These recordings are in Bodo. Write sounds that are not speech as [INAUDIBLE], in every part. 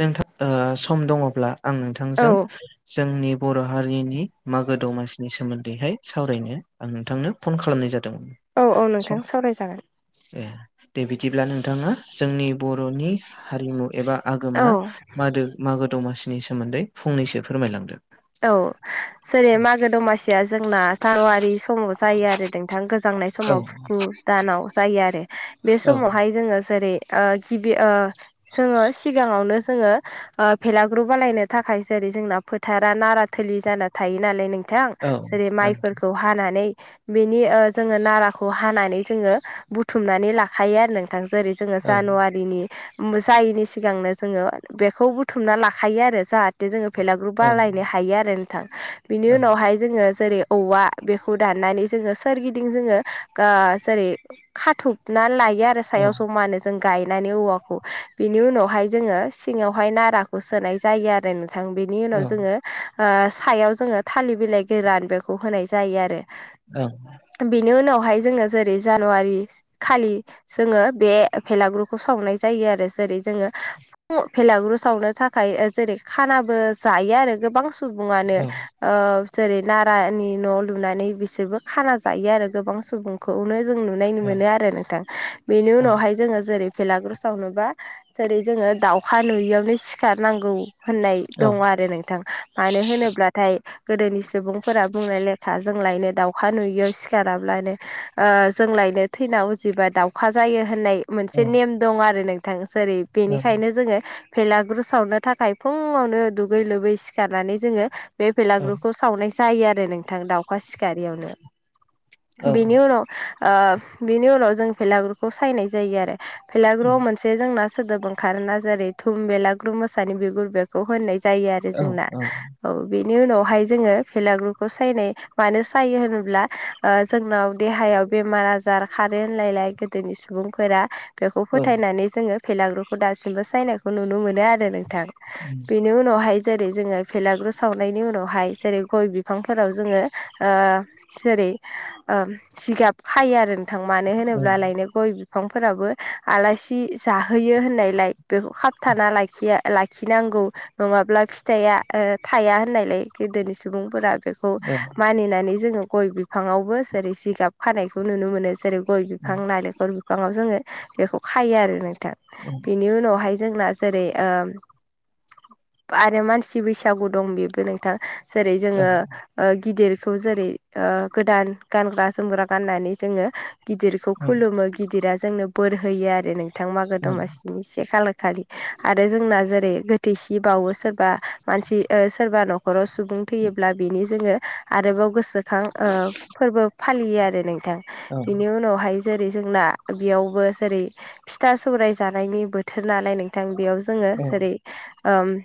नोंथां ओ सम दङब्ला आं नोंथांजों औ जोंनि बर' हारिनि मागो दमासिनि सोमोन्दैहाय सावरायनो आं नोंथांनो फन खालामनाय जादोंमोन। औ औ सम नोंथां सावरायजागोन। ए दे बिदिब्ला नोंथाङा जोंनि बरनि हारिमु एबा औ आगोमा मादो मागो दमासिनि सोमोन्दै फंनैसो फोरमायलांदो। औ जेरै मागो दमासि या जोंना जानुवारि समाव जायो आरो नोंथां गोजांनाय औ समाव फुखु दानाव जायो आरो। बे औ समावहाय जोंङो जेरै ओ गिबि ओ जोंङो सिगांङावनो जोंङो ओ भेलाग्रु बानायनो थाखाय जेरै जोंना फोथार दा नारा थोलि जाना थायो नालाय नोंथां औ जेरै नोंथां माइफोरखौ हानानै बा बिनि ओ जोंङो नाराखौ हानानै जोंङो बुथुमनानै लाखायो आरो नोंथां जेरै जोंङो औ जानुवारिनि उम जायैनि सिगांनो जोंङो बेखौ बुथुमना लाखायो आरो जाहाथे जोंङो भेलाग्रुप औ बालायनो हायो आरो नोंथां। बिनि औ उनावहाय जोंङो जेरै औवा बेखौ दाननानै जोंङो सोरगिदिं जोंङो गा जेरै खाथुबना लायो आरो। औ सायाव जमानो। जों गायनानै औवाखौ बिनि उनावहाय जोंङो सिङांवहाय नाराखौ सोनाय जायो आरो नोंथां बे बिनि औ उनाव जोंङो ओ सायाव जोंङो थालिर बिलाइ गोरान बेखौ होनाय जायो आरो। ओं। बिनि उनावहाय जोंङो जेरै जानुवारि खालि जोंङो बे भेलाग्रुखौ सावनाय जायो आरो। जेरै जोंङो ओ भेलाग्रु सावनो थाखाय जेरै खानाबो जायो आरो गोबां सुबुंङानो। ओ जेरै नारानि न' लुनानै बिसोरबो खाना जायो आरो। गोबां सुबुंखौनो जों नु नै औ मोनो आरो नोंथां बेनि उनाव जोंङो जेरै भेलागुरसावनोबा जेरै जोंङो दाउखा नुयियावनो सिखारनांगौ। होननाय दं औ आरो नोंथां। मानो होनोब्लाथाय गोदोनि सुबुंफोरा बुंनाय लेथा जोंलायनो दाउखा नुयियाव सिखाराब्लानो ओ जोंलायनो थैना उजिबा दाउखा जायो होननाय मोनसे नेम दं आरो नोंथां जेरै औ बेनिखायनो जोंङो भेलाग्रु सावनो थाखाय फुंङावनो दुगै लोबै सिखारनानै जोंङो बे भेलाग्रुखौ सावनाय जायो आरो नोंथां दाउखा सिखारियावनो। बिनि उनाव ओ बिनि उनाव जों भेलाग्रुखौ सायनाय जायो आरो। बभेलाग्रुआव मोनसे जोंना सोदोब ओंखारोना जेरै थुम बेलाग्रु मोसानि बिगुर बेखौ होननाय जायो आरो। जोंना औ बेनि उनावहाय जोंङो भेलाग्रुखौ सायनाय मानो सायो होनोब्ला ओ जोंनाव देहायाव बेमार आजार खारो होनलायलाय गोदोनि सुबुंफोरा बेखौ फोथायनानै जोंङो भेलाग्रुखौ दासिमबो सायनायखौ नुनो मोनो आरो नोंथां। उम बिनि उनावहाय जेरै जोंङो भेलाग्रु सावनायनि उनावहाय जेरै गय बिफांफोराव जोंङो ओ जेरै जिगाब खायो आरो नोंथां मानो होनोब्ला लायनो गय बिफांफोराबो आलासि जाहैयो होननायलाय बेखौ खाबथाना लाखियो लाखिनांगौ नंङाब्ला ओ फिथाइया थाया होननायलाय गोदोनि सुबुंफोरा बे खौ मानिनानै जोंङो गय बिफांङावबो जेरै जिगाब खानायखौ नुनो मोनो। जेरै गय बिफां, नालेंखर बिफांङाव जोंङो बेखौ खायो आरो नोंथां। औ बिनि उनावहाय जोंना जेरै ओम आरो मानसि बैसागु दं बेबो नोंथां जेरै औ जोंङो ओ गिदिरखौ जेरै ओ गोदान गानग्रा जोमग्रा गाननानै जोंङो गिदिरखौ खुलुमो गिदिरा जोंनो बोर होयो आरो नोंथां मागो दमासि बिनि से खालार खालि आरो जोंना जेरै गोथैसि बावो सोरबा मानसि ओ सोरबा न'खराव सुबुं थैयोब्ला बिनि जोंङो आरोबाव गोसो खां ओ फोरबो फालियो आरो नोंथां। बिनि उनावहाय जेरै जोंना बेयावबो जेरै फिथा सौराय जानायनि बोथोर नालाय नों थां बेयाव जोंङो जेरै ओम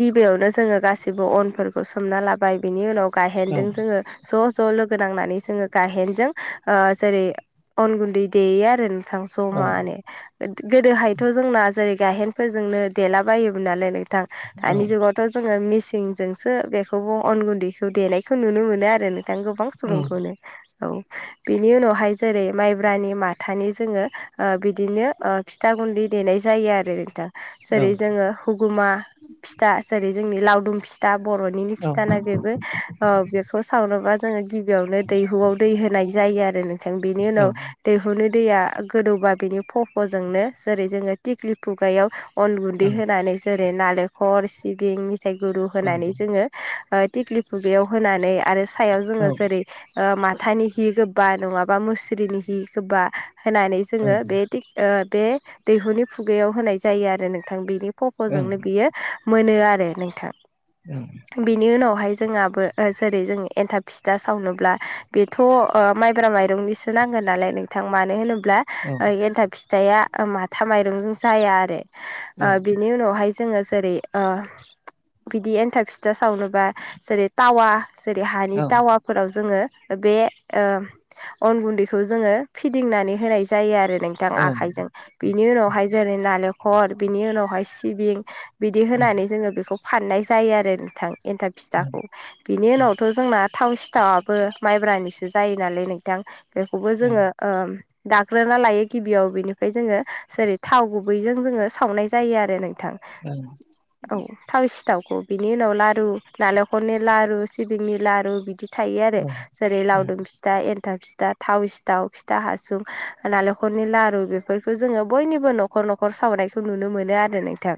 गिबियावनो जोंङो गासिबो अनफोरखौ सोमना लाबाय बिनि उनाव गाहेनदों जोंङो ज' ज' लोगो नांनानै जोंङो गाहेनजों ओ जेरै अन गुन्दै देयो आरो थां जमानो। ओद गोदोहायथ' जोंना जेरै गायहेनफोरजोंनो देला बोमोन नालाय नोंथां दानि जुगा थ' जोङो मिसिंजोंसो बेखौबो अन गुन्दैखौ देनायखौ नुनो मोनो आरो नोंथां गोबां सुबुंखौनो औ बिनि उनावहाय जेरै माइब्रानि माथानि जोङो ओ बिदिनो ओ फिथा गुन्दै देनाय जायो आरो नोंथा जेरै जोङो हुगुमा फिथा जेरै जोंनि लावदुम फिथा बर'निनो फिथा ना बेबो औ बेखौ सावनोबा जोङो गिबियावनो दैहुआव दै होनाय जायो आरो नों थां बेनि उनाव दैहुनि दैया गोदौबा बेनि खफ' जोंनो जेरै जोङो तिक्लि खुगायाव अन गुन्दै होनानै जेरै नालेंखर सिबिं मिथायाइ गुरु होनानै जोङो ओ तिक्लि खुगायाव होनानै आरो सायाव जोङो जेरै ओ माथानि हि गोबबा नङाबा मुस्रिनि हि गोबबा होनानै जोङो बे तिग ओ बे दैहुनि खुगायाव होनाय जायो आरो नोंथां बेनि फफ'जोंनो बियो मोनो आरो नोंथां उम बिनि उनावहाय जोंङाबो ओ जेरै जों एनथाब फिथा सावनोब्ला बेथ थ' ओ माइब्रा माइरंनिसो नांगोन नालाय नोंथां मानो होनोब्ला ओ एन्थाब फिथाइया माथा माइरंजों जाया आरो ओ बि नि उनावहाय जोङो जेरै ओ बिदि एन्थाब फिथा सावनोबा जेरै टावा जेरै हानि टावा फोराव जोङो ओ बे ओ अन गुन्दैखौ जोङो फिदिंनानै होनाय जायो आरो नोंथां आखाइजों बिनि उनावहाय जेरै नालेखर बिनि उनावहाय सिबिं बिदि होनानै जोङो बेखौ फाननाय जायो आरो नोंथां एन्थाब फिथाखौ बिनि उनावथ' जोंना थाव सिथावाबो माइब्रानिसो जायो नालाय नोंथां बेखौबो जोङो ओ दाग्रोना लायो गिबियाव बेनिफ्राय जोङो जेरै थाव गुबैजों जोङो सावनाय जायो आरो नोंथां उम औ थाव सिथावखौ बिनि उनाव लारु नालेखलनि लारु सिबिंनि लारु बिदि थायो आरो जेरै लावदुम फिथ फिथा एन्थाब फिथा थाव सिथाव फिथा हासुं नालेखलनि लारु बेफोरखौ जोङो बयनिबो न'ख न'खर न'खर सावनायखौ नुनो मोनो आरो नोंथां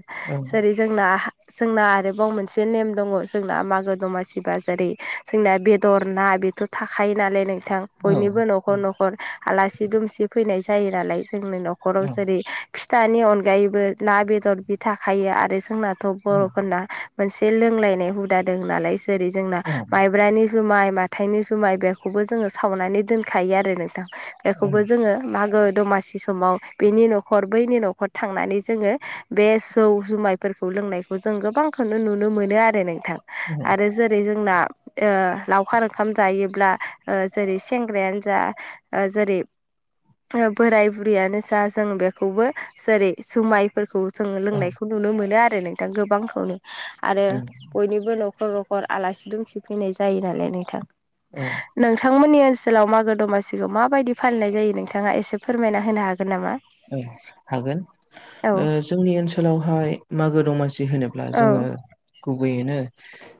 जेरै जोंना हा जोंना आरोबाव मोनसे नेम दङ जोंना मागो दमासि बा जेरै जोंना बेदर ना बेथ' थाखायो नालाय नोंथां बयनिबो न'खर न'खर आलासि दुमसि फैनाय जायो नालाय जोंनि न'खराव जेरै फिथानि अनगायैबो ना बेदर बि थाखायो आरो जोंनाथ' बर'फोरना मोनसे लोंलायनाय हुदा दं नालाय जेरै जोंना माइब्रानि जुमाय माथानि जुमाय बेखौबो जोङो सावनानै दोनखायो आरो नोंथां बेखौबो जोङो मागो दमासि सि समाव बिनि न'खर बैनि न'खर थांनानै जोङो बेस जौ जुमायफोरखौ लोंनायखौ जों गोबांखौनो नुनो मोनो आरो नोंथां आरो ज जेरै जोंना ओ लावखार ओंखाम जायोब्ला ओ जेरै सेंग्रायानो जा ओ जेरै बोराय बुरियानो जा जों बेखौबो जेरै जुमायफोरखौ जोङो लोंनायखौ नुनो मोनो आरो नोंथां गोबांखौनो आरो बयनिबो न'खर न'खर आलासि दुमसि फैनाय जायो नालाय नोंथां औ नोंथांमोननि ओनसोलाव मागो दमासिखौ माबायदि फालिनाय जायो नोंथाङा एसे फोरमायना होनो हागोन नामा? औ हागोन औ ओ जोंनि ओनसोलावहाय मागो दमासि होनोब ब्ला जोङो औ गुबैयैनो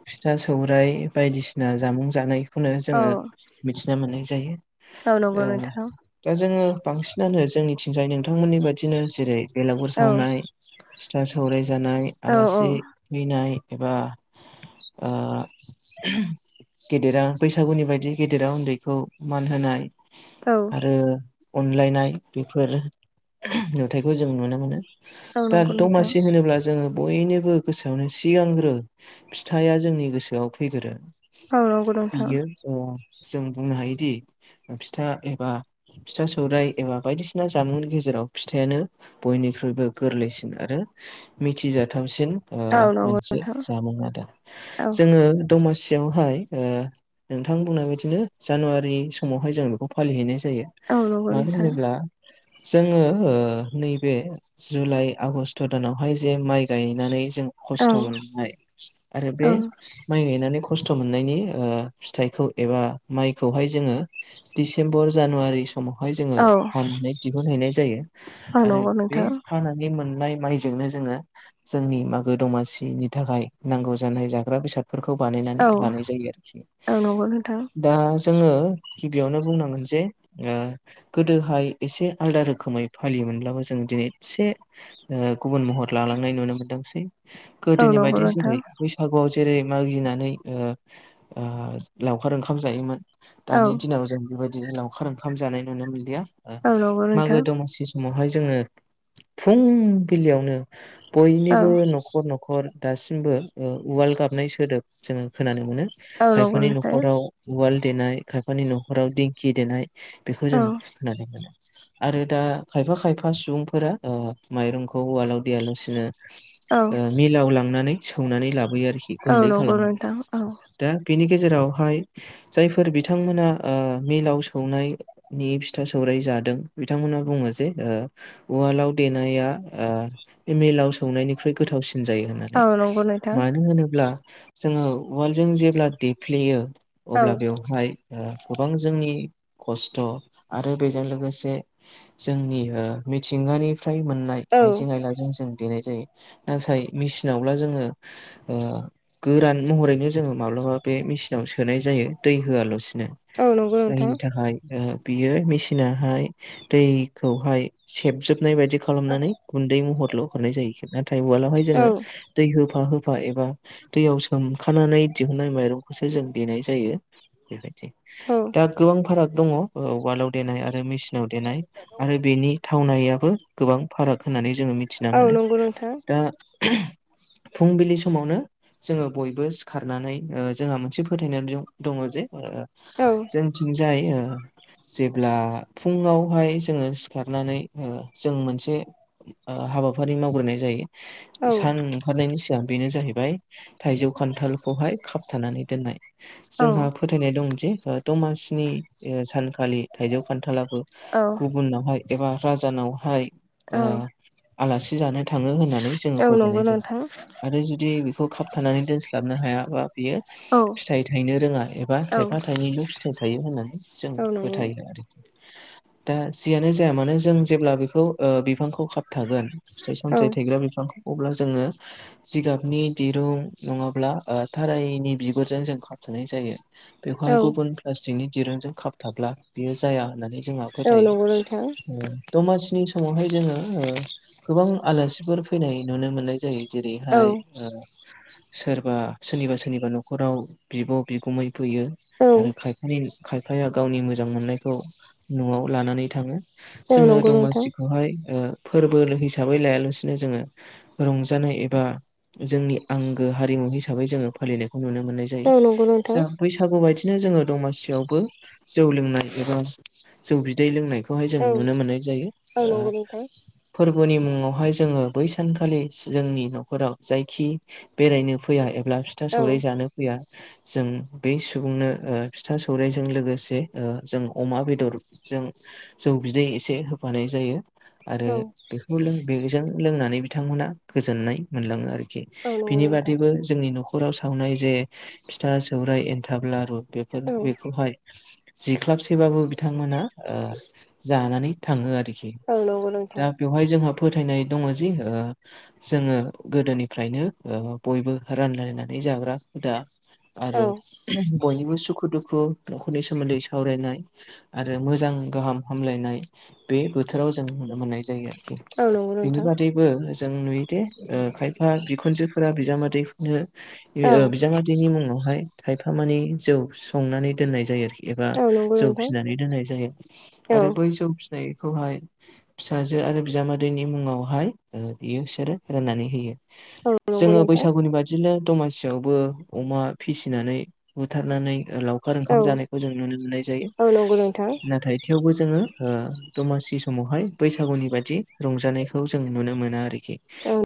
फिथा सौरायाइ बायदिसिना जामुं जानाय खौनो औ जोङो मिथिनो मोननाय जायो। औ नंगौ नोंथां ओ दा जोङो बांसिनानो जोंनिथिंजाय नोंथांमोननि बादिनो जेरै- बेलागुर औ सावनाय फिथा सौराय जानाय औ आलासि फैनाय एबा ओ गेदेरा बैसागुनि बायदि गेदेरा उन्दैखौ मान होनाय औ उम अनलायनाय बेफोर नुथायखौ जों नुनो मोनो। औ दा नंगौ नोंथां दमासि होनोब्ला जोङो बयनिबो गोसोआवनो सिगांग्रो फिथाइा जोंनि गोसोआव फैग्रोयो। औ नंगौ नोंथां। औ जों बुंनो हायोदि फिथा एबा फिथा सौराइ एबा बायदिसिना जामुंनि गेजेराव फिथाइानो बयनिख्रुइबो गोरलैसिन आरो मिथिजाथावसिन ओ औ नंगौ मोनसे नोंथां जामुं आरो। औ जोङो दमासि बेवहाय ओ नोंथां बुंनाय बायदिनो जानुवारि समावहाय जों बेखौ फालिहैनाय जायो। औ नंगौ मानो नोंथां होनोब्ला जोङो ओ नैबे जुलाइ, आगस्ट दानावहाय जे माइ गायनानै जों औ खस्थ' मोननाय आरो बे औ माइ गायनानै खस्थ' मोननायनि ओ फिथाइखौ एबा माइखौहाय जोङो दिडिसेम्बर जानुवारि समावहाय जोङो औ हानानै दिहुन हैैनाय जायो औ आरो नंगौ बे नोंथां हानानै मोननाय माइजोंनो जोङो जोंनि मागो दमासिनि थाखाय नांगौ जानाय जाग्रा बेसाद फोरखौ बानायनानै औ लानाय जायो आरोखि। औ नंगौ नोंथां दा जोङो गिबियावनो बुंनांगोन जे ओ गोदो हाय एसे आललादा रोखोमै फालियोमोनब्लाबो जों दिनै एसे गुबुन महर लालांनाय नुनो मोनदोंसै। औ गोदोनि नंगौ बायदि नोंथां जेरै- बैसागुआव जेरै मागिनानै ओ ओ लावखार ओंखाम जायोमोन। औ दानि दिनाव जों बेबायदिनो लावखार ओंखाम जानाय नुनो मोनलिया। ओं औ नंगौ मागो नोंथां दमासि समावहाय जोङो फुंबिलियावनो औ बयनिबो न'खर न'खर न'खर दासिमबो उवाल गाबनाय सोदोब जोङो खोनानो मोनो। औ नंगौ खायफानि नोंथां न'खराव उवाल देनाय खायफानि न'खराव दिंखि देनाय बेखौ औ जों होननानै मोनो। आरो दा खायफा खायफा सुबुंफोरा ओ माइरंखौ उवालाव देयालासिनो औ ओ मिलाव लांनानै सौनानै लाबोयो आरोखि औ गुन्दै नंगौ नोंथां खालामनानै औ दा बिनि गेजेरावहाय जायफोर बिथांमोना ओ मिलाव सौनायनि फिथा सौराय जादों बिथांमोनहा बुङो जे ओ उवालाव देनाया ओ मिलाव सौनायनिख्रुइ गोथावसिन होनजायो होननानै औ नंगौ नोंथां मानो होनोब्ला जोङो उवालजों जेब्ला देफ्लेयो औ अब्ला बेवहाय ओ गोबां जोंनि खस्थ' आरो बेजों लोगोसे जोंनि मिथिंगानि फ्राय मोननाय औ आइजें आयलाजों जों देनाय जायो। नाथाय मेसिनावब्ला जोङो आ गोरान महरैनो जोङो माब्लाबा बे मेसिनाव सोनाय जायो दै होआलासिनो। औ नंगौ नोंथां जायनि थाखाय ओ बियो मेसिनाहाय दैखौहाय सेबजोबनाय बायदि खालामनानै गुन्दै महरल' हरनाय जायो। नाथाय उवालावहाय जोङो औ दै होफा होफा एबा दैयाव सोमखानानै दिहुननाय माइरं खौसो जों देनाय जायो बेबायदि। औ दा गोबां फाराग दङ ओ उवालाव देनाय आरो मेसिनाव देनाय आरो बेनि थावनायाबो गोबां फाराग होननानै जोङो मिथिना औ मोनो। नंगौ नोंथां दा फुंबिलि समावनो जोङो बयबो सिखारनानै ओ जोंहा मोनसे फोथायनाय दङ' जे ओ औ जोंथिंजाय ओ आ फुङावहाय जोङो सिखारनानै ओ जों मोनसे ओ हाबाफारि मावग्रोनाय जायो औ सान ओंखारनायनि सिगां बेनो जाहैबाय थाइजौ खान्थालखौहाय खाबथानानै दोननाय। औ जोंहा फोथायनाय दं जे ओ दमासिनि ओ सानखालि थाइजौ खान्थालाबो औ गु बुनावहाय एबा राजानावहाय ओ आलासि जानो थाङो होननानै जोङो औ नंगौ फोथायनाय जायो। नोंथां आरो जुदि बेखौ खाबथानानै दोनस्लाबनो हायाबा बियो औ फिथाइ थायनो रोङा एबा औ थायफा थाइनैल' फिथाइ थायो होननानै जों औ नंगौ [UNINTELLIGIBLE] दा जियानो जाया मानो जों जेब्ला बेखौ ओ बिफांखौ खौ खाबथागोन फिथाइ सामथाइ औ थायग्रा बिफांखौ अब्ला जोङो जिगाबनि दिरुं नङाब्ला ओ थारायनि बिगुरजों जों खाबथा'नाय जायो। बेखौहाय औ गुबुन प्लास्टिकनि दिरुंजों खाबथाब्ला बेयो जाया होननानै जोंहा औ फोथायो। नंगौ नोंथां ओ दमासिनि समावहाय जोङो ओ गोबां आलासिफोर फैनाय नुनो मोननाय जायो। जेरैहाय औ ओ सोरबा सोरनिबा सोरनिबा न'खराव बिब' बिगुमै फैयो। औ आरो खायफानि खायफाया गावनि मोजां मोननायखौ न'आव लानानै थाङो। औ जोङो नंगौ नोंथां दमासिखौहाय ओ फोरबोलो हिसाबै लायालासिनो जोङो रंजानाय एबा जोंनि आंगो हारिमु हिसाबै जोङो फालिनो खौ नुनो मोननाय जायो। औ नंगौ दा नोंथां बैसागु बायदिनो जोङो दमासियावबो जौ लोंनाय एबा जौ बिदै लोंनायखौ खौहाय जों औ नुनो मोननाय जायो। औ ओ नंगौ नोंथां फोरबोनि मुङावहाय जोङो बै सानखालि जोंनि न'खराव जायखि बेरायनो फैया एब ब्ला फिथा सौराइ औ जानो फैया जों बै सुबुंनो ओ फिथा सौराइजों लोगो से ओ जों अमा बेदरजों जौ बिदै एसे होफानाय जायो। आरो औ बेखौ लों बेजों लोंनानै बिथांमोनहा गोजोननाय मोनलाङो आरोखि। औ बिनि नंगौ नोंथां बादैबो जोंनि न'खराव सावनाय जे फिथा, सौराइ, एन्थाब, लारु बेफोर औ बेखौहाय जिख्लाबसेबाबो बिथांमोना ओ जानानै थाङो आरोखि। औ नंगौ नोंथां दा बेवहाय जोंहा फोथायनाय दङ' जि जोङो गोदोनिफ्रायनो ओ बयबो रानलायनानै जाग्रा हुदा आरो औ बयनिबो सुखु दुखु न'खरनि सोमोन्दै सावरायनाय आरो मोजां गाहाम हामलायनाय बे बोथोराव जों नुनो मोननाय जायो आरोखि। औ नंगौ बिनि नोंथां बादैबो जों नुयोदे ओ खायफा बिखुनजो फोरा बिजामादैफोनो औ ओ बिजामादै दैनि मुङावहाय खायफा मानि जौ संनानै दोननाय जायो आरोखि। एबा औ नंगौ जौ नोंथां फिनानै दोननाय जायो। औ आरो बै जौ फिनायखौहाय फिसाजो आरो बिजामादैनि मुङावहाय ओ बियो सोरो राननानै होयो। औ नंगौ जोङो नोंथां बैसागुनि बादि दिनो दमासियावबो अमा फिसिनानै बुथारनानै लाव खार ओंखाम औ जानायखौ जों नुनो मोननाय जायो। औ नंगौ नोंथां नाथाय थेवबो जोङो ओ दमासि समावहाय बैसागुनि बादि रंजानायखौ जों नुनो मोना आरोखि। औ।